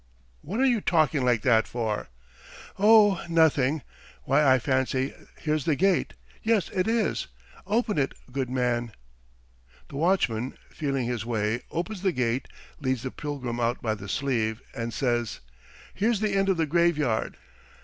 "What are you talking like that for?" "Oh, nothing ... Why, I fancy here's the gate. Yes, it is. Open it, good man." The watchman, feeling his way, opens the gate, leads the pilgrim out by the sleeve, and says: "Here's the end of the graveyard.